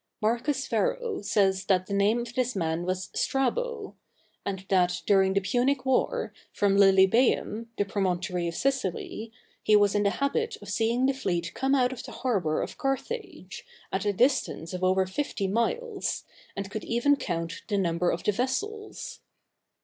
Marcus Varro says, that the name of this man was Strabo; and that, during the Punic war, from Lilybæum, the promontory of Sicily, he was in the habit of seeing the fleet come out of the harbor of Carthage, at a distance of over fifty miles, and could even count the number of the vessels.